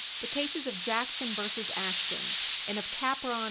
The cases of Jackson v. Ashton and of Capron v.